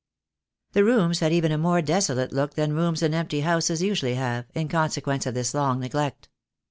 The rooms had even a more desolate look than rooms in empty houses usually have, in consequence of this long neglect.